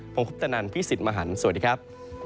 ผมคุปตนันพี่สิทธิ์มหันฯสวัสดีครับ